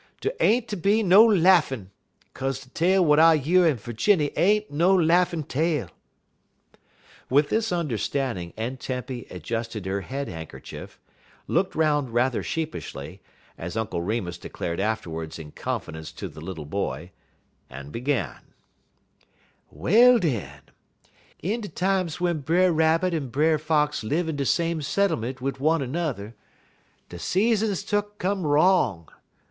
Dey ain't ter be no laughin', 'kaze de tale w'at I year in Ferginny ain't no laughin' tale." With this understanding Aunt Tempy adjusted her head handkerchief, looked around rather sheepishly, as Uncle Remus declared afterwards in confidence to the little boy, and began: "Well, den, in de times w'en Brer Rabbit un Brer Fox live in de same settlement wid one er 'n'er, de season's tuck'n come wrong.